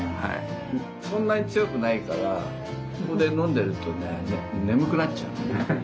そんなに強くないからここで飲んでるとね眠くなっちゃうの。